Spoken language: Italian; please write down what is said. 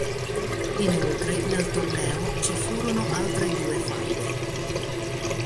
Inoltre nel torneo ci furono altre due faide.